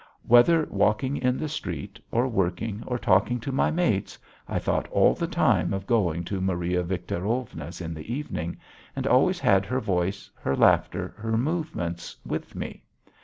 Whether walking in the street, or working, or talking to my mates, I thought all the time of going to Maria Victorovna's in the evening, and always had her voice, her laughter, her movements with me.